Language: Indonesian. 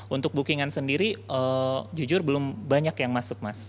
untuk bookingan sendiri jujur belum banyak yang masuk mas